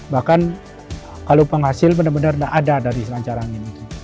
bahkan kalau penghasil benar benar tidak ada dari selancar angin itu